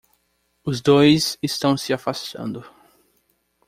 Os dois estão se afastando